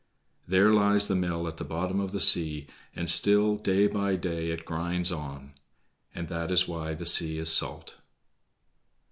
There lies the mill at the bottom of the sea, and still, day by day, it grinds on; and that is why the sea is salt.